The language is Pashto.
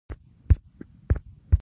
یوه ښکلې ورځ دلمره سره درومي